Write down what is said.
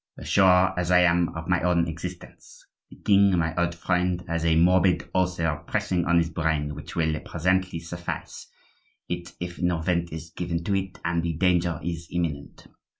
"As sure as I am of my own existence. The king, my old friend, has a morbid ulcer pressing on his brain, which will presently suffice it if no vent is given to it, and the danger is imminent.